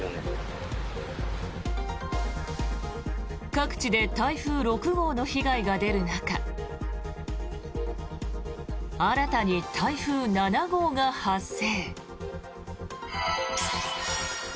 各地で台風６号の被害が出る中新たに台風７号が発生。